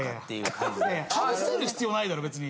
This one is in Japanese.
かぶせる必要ないだろ別に。